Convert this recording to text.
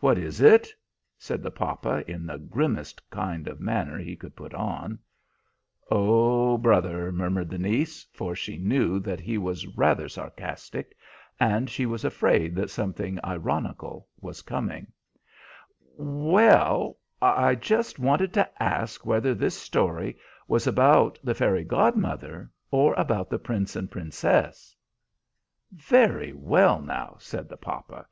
"What is it?" said the papa, in the grimmest kind of manner he could put on. "Ah, brother!" murmured the niece; for she knew that he was rather sarcastic, and she was afraid that something ironical was coming. [Illustration: "THE GENERAL IN CHIEF USED TO GO BEHIND THE CHURCH AND CRY."] "Well, I just wanted to ask whether this story was about the fairy godmother, or about the Prince and Princess." "Very well, now," said the papa.